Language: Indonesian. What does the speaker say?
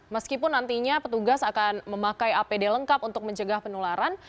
meskipun nantinya petugas akan memakai apd lengkap untuk mencegah penularan